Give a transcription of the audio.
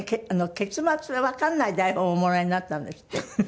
結末がわかんない台本をおもらいになったんですって？